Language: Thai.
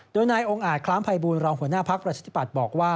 โดยนายองค์อาจคล้ามภัยบูรณรองหัวหน้าภักดิ์ประชาธิปัตย์บอกว่า